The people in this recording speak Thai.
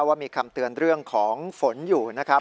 ว่ามีคำเตือนเรื่องของฝนอยู่นะครับ